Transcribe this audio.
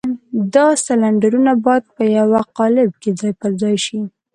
دا سلنډرونه بايد په يوه قالب کې ځای پر ځای شي.